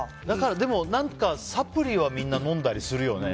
でも、何かサプリはみんな飲んだりするよね。